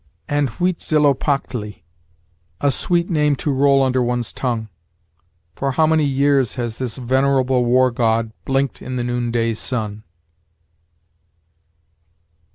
"And Huitzilopochtli a sweet name to roll under one's tongue for how many years has this venerable war god blinked in the noonday sun!"